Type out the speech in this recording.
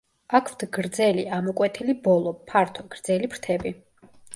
აქვთ გრძელი, ამოკვეთილი ბოლო, ფართო, გრძელი ფრთები.